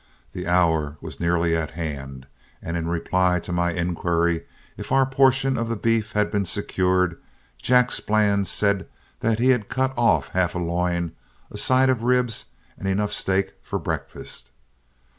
The hour was nearly at hand, and in reply to my inquiry if our portion of the beef had been secured, Jack Splann said that he had cut off half a loin, a side of ribs, and enough steak for breakfast.